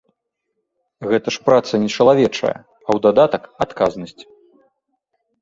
Гэта ж праца нечалавечая, а ў дадатак адказнасць.